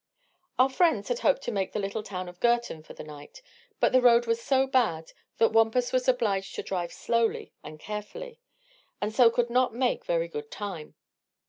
Our friends had hoped to make the little town of Gerton for the night, but the road was so bad that Wampus was obliged to drive slowly and carefully, and so could not make very good time.